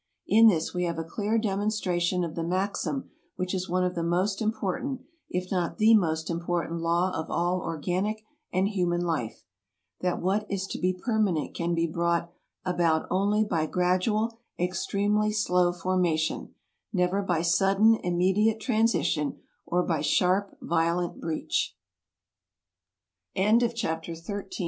In this we have a clear demonstration of the maxim which is one of the most important, if not the most important law of all organic and human life : that what is to be permanent can be brought about only by gradual, ex tremely slow formation ; never by sudden, immediate tra